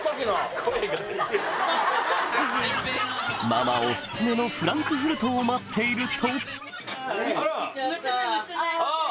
ママオススメのフランクフルトを待っているとあっ！